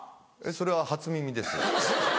それは初耳です。